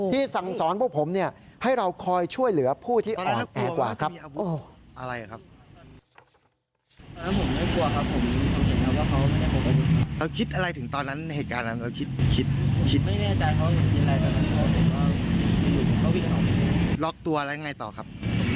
สั่งสอนพวกผมเนี่ยให้เราคอยช่วยเหลือผู้ที่อ่อนแอกว่าครับ